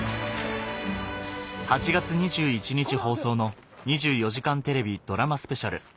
８月２１日放送の２４時間テレビドラマスペシャル